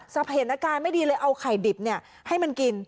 สับเหตุอาการไม่ดีเลยเอาไข่ดิบให้มันกิน